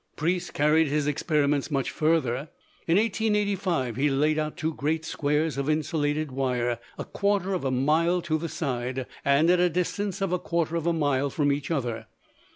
Preece carried his experiments much further. In 1885 he laid out two great squares of insulated wire, a quarter of a mile to the side, and at a distance of a quarter of a mile from each other.